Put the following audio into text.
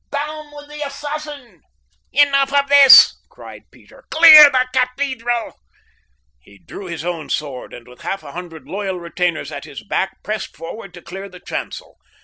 Down with the assassin!" "Enough of this," cried Peter. "Clear the cathedral!" He drew his own sword, and with half a hundred loyal retainers at his back pressed forward to clear the chancel.